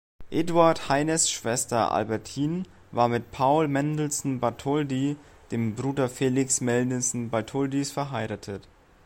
Eduard Heines Schwester Albertine war mit Paul Mendelssohn-Bartholdy, dem Bruder Felix Mendelssohn Bartholdys, verheiratet.